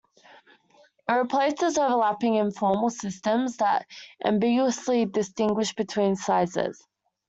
It replaces overlapping informal systems that ambiguously distinguished between sizes.